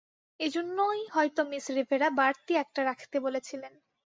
এজন্যই হয়তো miss Rivera বাড়তি একটা রাখতে বলেছিলেন।